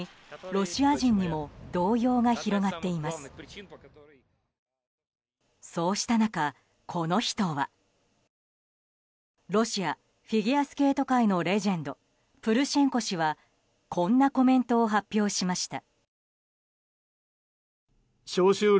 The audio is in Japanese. ロシア・フィギュアスケート界のレジェンドプルシェンコ氏はこんなコメントを発表しました。